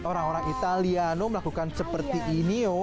orang orang italiano melakukan seperti ini